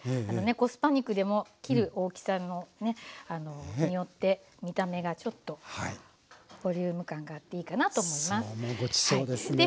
あのねコスパ肉でも切る大きさによって見た目がちょっとボリューム感があっていいかなと思います。